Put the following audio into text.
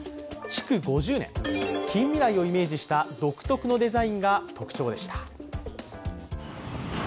築５０年、近未来をイメージした独特のデザインが特徴でした。